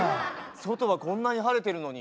外はこんなに晴れてるのに？